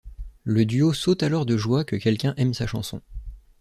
Le duo saute alors de joie que quelqu'un aime sa chanson.